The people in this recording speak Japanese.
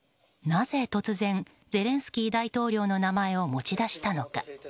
なぜ突然ゼレンスキー大統領の名前を持ち出したのか。